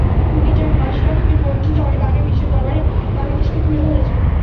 Cricketer Mashrafe bin Mortaza অনেক আগে বিশ্বের দরবারে বাংলাদেশকে তুলে ধরেছেন।